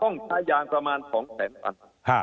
ต้องใช้ยางประมาณของแผนตัน